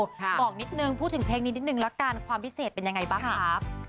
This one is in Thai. บอกนิดนึงพูดถึงเพลงนี้นิดนึงละกันความพิเศษเป็นยังไงบ้างครับ